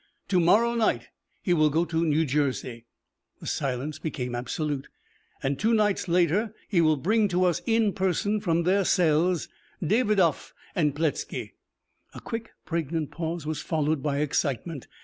To morrow night he will go to New Jersey" the silence became absolute "and two nights later he will bring to us in person from their cells Davidoff and Pletzky." A quick, pregnant pause was followed by excitement.